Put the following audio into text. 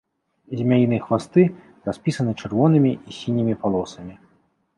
Змяіныя хвасты распісаны чырвонымі і сінімі палосамі.